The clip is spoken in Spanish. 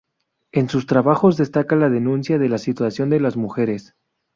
En sus trabajos destaca la denuncia de la situación de las mujeres.